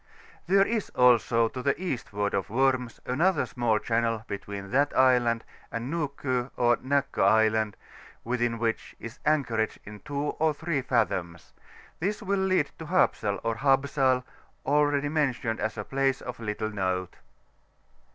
There is also, to the eastward of Worms, another small channel between that island and Nuko or Nakko Island, within which is anchorage in 2 or 3 fathoms; this will lead to Hapsal or Habsal, already mentioned as a place of little note.